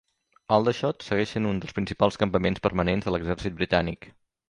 Aldershot segueix sent un dels principals campaments permanents de l'exèrcit britànic.